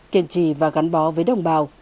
kiên trì và gắn bó với đồng bào